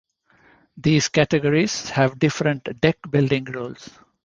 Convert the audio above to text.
These categories have different deck building rules.